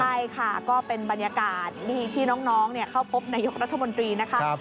ใช่ค่ะก็เป็นบรรยากาศที่น้องเข้าพบนายกรัฐมนตรีนะคะ